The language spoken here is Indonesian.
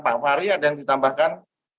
pak fahri ada yang ditambahkan